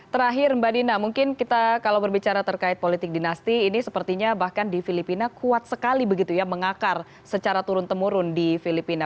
terakhir mbak dina mungkin kita kalau berbicara terkait politik dinasti ini sepertinya bahkan di filipina kuat sekali begitu ya mengakar secara turun temurun di filipina